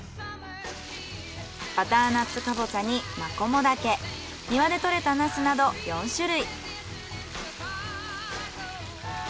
バターナッツカボチャにマコモダケ庭で採れたナスなど４種類。